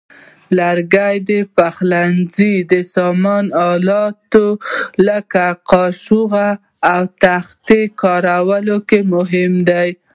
لرګي د پخلنځي د سامان آلاتو لکه کاشوغو او تخته کارولو کې مهم دي.